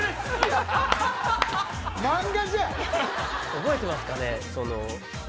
覚えてますかね？